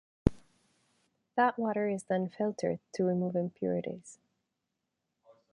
That water is then filtered to remove impurities.